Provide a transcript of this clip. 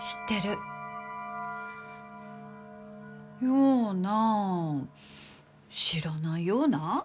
ような知らないような。